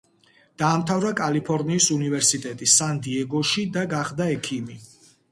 დაამთავრა კალიფორნიის უნივერსიტეტი სან-დიეგოში და გახდა ექიმი.